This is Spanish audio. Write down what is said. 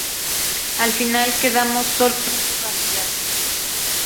Al final quedamos sólo cinco candidatos.